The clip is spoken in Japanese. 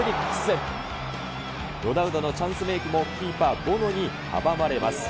ロナウドのチャンスメークもキーパー、ボノに阻まれます。